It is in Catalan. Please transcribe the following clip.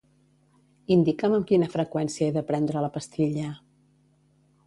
Indica'm amb quina freqüència he de prendre la pastilla.